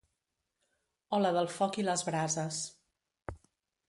O la del foc i les brases.